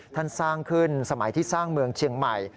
ท่านสร้างขึ้นสมัยที่สร้างเมืองเชียงใหม่